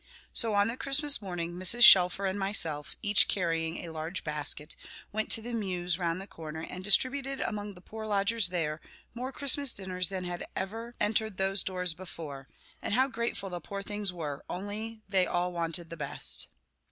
So on the Christmas morning Mrs. Shelfer and myself, each carrying a large basket, went to the mews round the corner, and distributed among the poor lodgers there, more Christmas dinners than had ever entered those doors before; and how grateful the poor things were, only they all wanted the best.